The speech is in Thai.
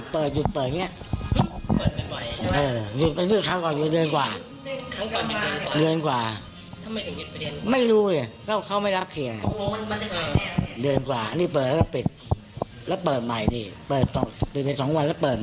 ปกติคนเข้าคนออกเดียวป่ะ